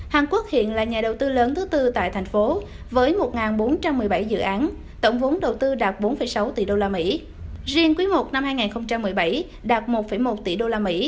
hàn quốc hiện là nhà đầu tư lớn thứ tư tại thành phố với một bốn trăm một mươi bảy dự án tổng vốn đầu tư đạt bốn sáu tỷ usd riêng quý i năm hai nghìn một mươi bảy đạt một một tỷ usd